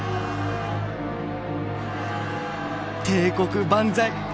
「帝国万歳！